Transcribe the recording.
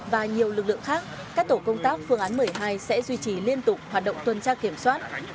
và nhiều lực lượng khác các tổ công tác phương án một mươi hai sẽ duy trì liên tục hoạt động tuần tra kiểm soát